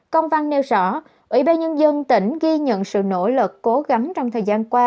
công văn nêu rõ ủy ban nhân dân tỉnh ghi nhận sự nỗ lực cố gắng trong thời gian qua